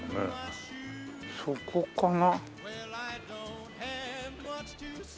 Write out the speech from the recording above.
そこかな？